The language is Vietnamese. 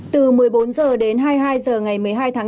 từ một mươi bốn h đến hai mươi hai h ngày một mươi hai tháng năm